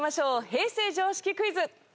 平成常識クイズ。